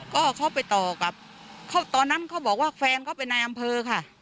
ก็เขาไปต่อกับตอนนั้นเขาบอกว่าแฟนเขาเป็นนายอำเภอค่ะ